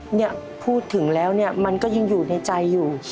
เนี่ยพูดถึงแล้วเนี่ยมันก็ยังอยู่ในใจอยู่